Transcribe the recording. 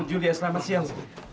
oh bu julia selamat siang